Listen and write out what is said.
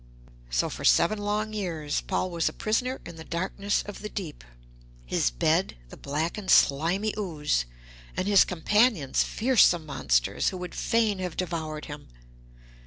So for seven long years Paul was a prisoner in the darkness of the deep, his bed the black and slimy ooze, and his companions fearsome monsters who would fain have devoured him.